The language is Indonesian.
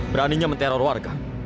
beraninya menteror warga